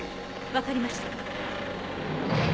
分かりました。